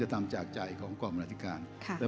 เพราะฉะนั้นเราทำกันเนี่ย